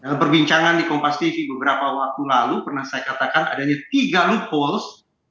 dalam perbincangan di kompas tv beberapa waktu lalu pernah saya katakan adanya tiga loopholes